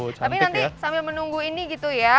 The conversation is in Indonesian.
tapi nanti sambil menunggu ini gitu ya